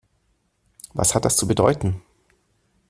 Was hat das zu bedeuten?